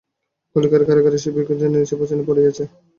কালিকার কাড়াকাড়ি-করা সেই বিষবৃক্ষখানি নীচের বিছানায় পড়িয়া আছে।